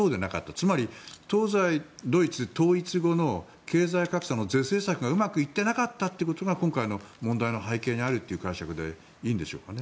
つまり、東西ドイツ統一後の経済格差の是正策がうまくいってなかったということが今回の問題の背景にあるという解釈でいいんでしょうかね。